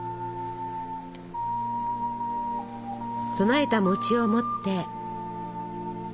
供えたを持って。